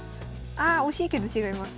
あ惜しいけど違います。